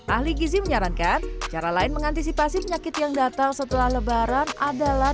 ahli gizi menyarankan cara lain mengantisipasi penyakit yang datang setelah lebaran adalah